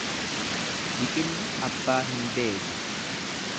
Biqilli abbaa hin beeku.